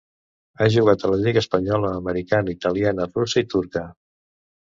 Ha jugat a la lliga espanyola, americana, italiana, russa i turca.